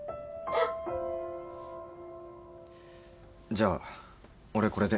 じゃあ俺これで。